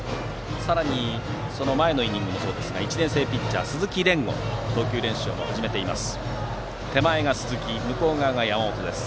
さらにはその前のイニングもそうですが１年生ピッチャーの鈴木蓮吾が投球練習を始めています。